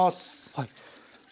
はい。